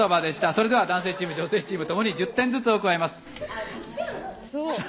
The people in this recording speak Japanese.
それでは男性チーム女性チーム共に１０点ずつを加えます。